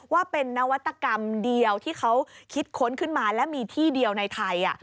ว่าเป็นนวัตกรรมเดียวที่เขาคิดค้นขึ้นมาและมีที่เดียวในไทย